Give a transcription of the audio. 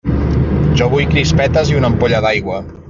Jo vull crispetes i una ampolla d'aigua!